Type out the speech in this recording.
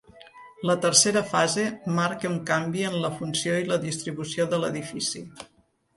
La tercera fase marca un canvi en la funció i la distribució de l'edifici.